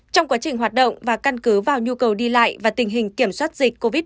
trong quá trình hoạt động và căn cứ vào nhu cầu đi lại và tình hình kiểm soát dịch covid một mươi chín